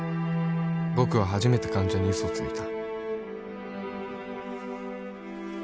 僕は初めて患者にウソをついた